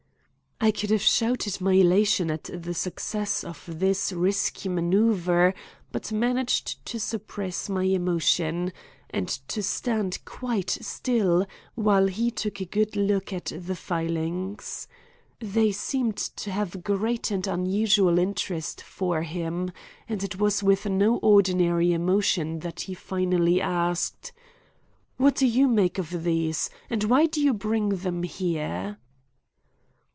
I could have shouted in my elation at the success of this risky maneuver, but managed to suppress my emotion, and to stand quite still while he took a good look at the filings. They seemed to have great and unusual interest for him and it was with no ordinary emotion that he finally asked: "What do you make out of these, and why do you bring them here?"